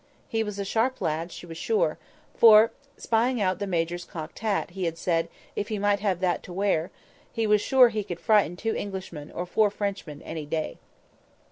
He was a sharp lad, she was sure; for, spying out the Major's cocked hat, he had said, if he might have that to wear, he was sure he could frighten two Englishmen, or four Frenchmen any day.